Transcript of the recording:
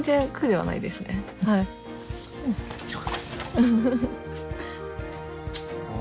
ウフフッ。